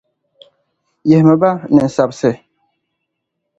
Yihimi ba ninsabisi.